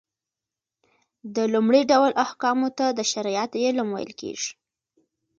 د لومړي ډول احکامو ته د شريعت علم ويل کېږي .